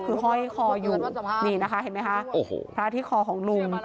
คือห้อยคออยู่นี่นะคะเห็นไหมคะโอ้โหพระที่คอของลุง